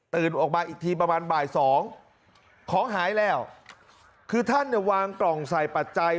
ออกมาอีกทีประมาณบ่ายสองของหายแล้วคือท่านเนี่ยวางกล่องใส่ปัจจัย